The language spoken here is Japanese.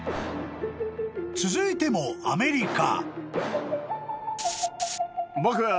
［続いてもアメリカ］